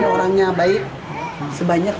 orangnya baik sebanyak